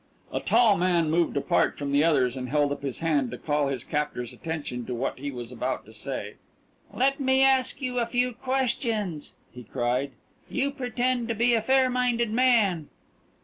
A tall man moved apart from the others, and held up his hand to call his captor's attention to what he was about to say. "Let me ask you a few questions!" he cried. "You pretend to be a fair minded man."